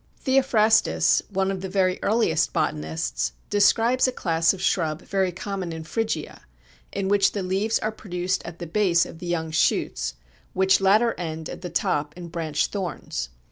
Theophrastus (one of the very earliest botanists see p. 37) describes a class of shrub very common in Phrygia, in which the leaves are produced at the base of the young shoots, which latter end at the top in branch thorns.